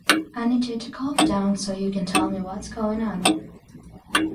I need you to calm down so you can tell me what's going on.